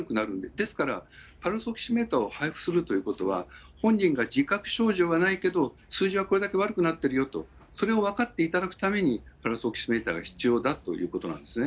ですから、パルスオキシメーターを配布するということは、本人が自覚症状がないけど、数字はこれだけ悪くなっているよと、それを分かっていただくためにパルスオキシメーターが必要だということなんですね。